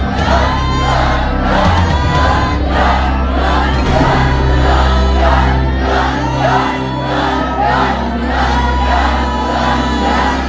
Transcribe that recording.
สู้หรือหยุดครับ